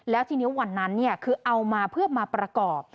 แล้วทีนี้วันนั้นคือเอามาเพื่อมาประกอบ